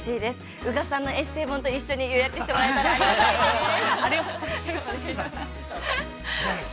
宇賀さんのエッセー本と一緒に予約してもらえたらありがたいです。